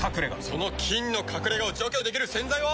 その菌の隠れ家を除去できる洗剤は。